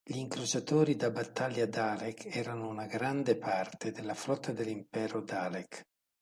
Gli incrociatori da battaglia Dalek erano una grande parte della flotta dell'Impero Dalek.